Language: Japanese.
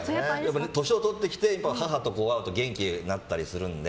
年を取ってきて母と会うと元気になったりするので。